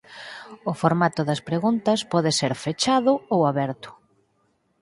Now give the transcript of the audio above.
O formato das preguntas pode ser fechado ou aberto.